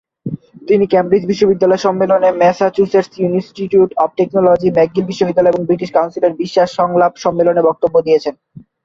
তিনি কেমব্রিজ বিশ্ববিদ্যালয়ের সম্মেলনে; Massachusetts Institute of Technology, McGill বিশ্ববিদ্যালয়, এবং ব্রিটিশ কাউন্সিলের "বিশ্বাস, সংলাপ" সম্মেলনে বক্তব্য দিয়েছেন।